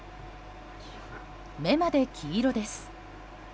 目まで黄色です。